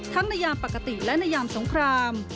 ทั้งนะยามปกติและนะยามสงคราม